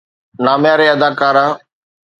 نامياري اداڪارا